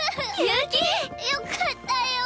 よかったよ